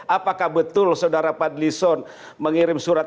apakah betul saudara pak dli son mengirim surat